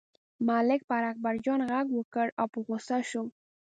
ملک پر اکبرجان غږ وکړ او په غوسه شو.